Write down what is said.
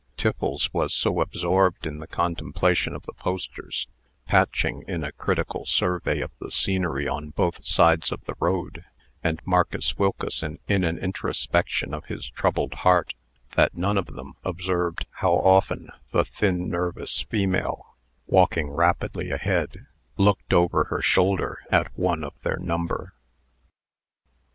Tiffles was so absorbed in the contemplation of the posters, Patching in a critical survey of the scenery on both sides of the road, and Marcus Wilkeson in an introspection of his troubled heart, that none of them observed how often the thin, nervous female, walking rapidly ahead, looked over her shoulder at one of their number.